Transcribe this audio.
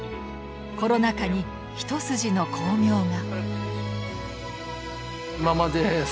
コロナ禍に一筋の光明が。